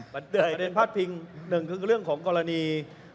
ประเด็นพลาดพิงหนึ่งก็คือเรื่องของกรณี